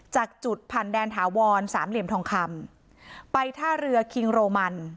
จากจุดผ่านแดนถาวรสามเหลี่ยมทองคำไปท่าเรือคิงโรมัน